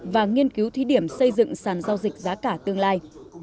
và nghiên cứu thí điểm xây dựng sàn giao dịch giá cả tương lai